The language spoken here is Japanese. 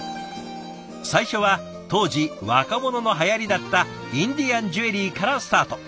最初は当時若者のはやりだったインディアンジュエリーからスタート。